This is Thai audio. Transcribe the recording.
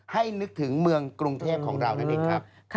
นึกถึงเมืองกรุงเทพของเรานั่นเองครับ